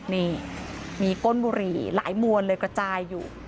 นี่มีก้นบุหรี่หลายมวลเลยกระจายอยู่